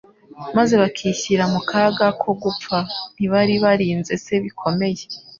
maze bakishyira mu kaga ko gupfa? Ntibari barinze se bikomeye?